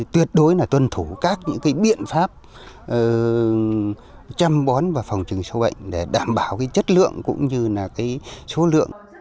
tuyệt đối là tuân thủ các những biện pháp chăm bón và phòng trừng sâu bệnh để đảm bảo chất lượng cũng như là số lượng